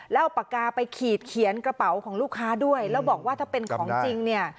แล้วเอาปากกาไปขีดเขียนกระเป๋าของลูกค้าด้วยแล้วบอกว่าถ้าเป็นของจริงเนี่ย